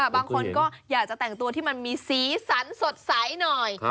บางคนก็อยากจะแต่งตัวที่มันมีสีสันสดใสหน่อย